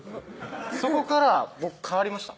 そこから僕変わりました